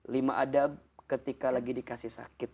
lima adab ketika lagi dikasih sakit